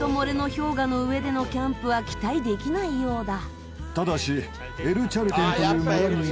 氷河の上でのキャンプは期待できないようだ。